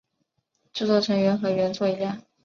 制作成员和原作一样。